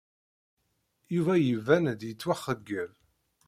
Yuba yettban-d yettwaxeyyeb.